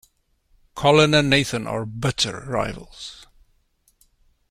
Colin and Nathan are bitter rivals.